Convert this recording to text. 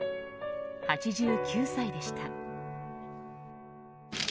８９歳でした。